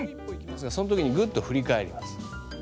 その時にぐっとふりかえります。